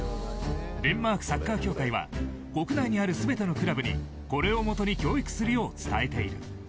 デンマークサッカー協会は国内にある全てのクラブにこれを基に教育するよう伝えている。